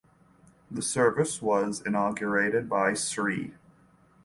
The service was inaugurated by Sri.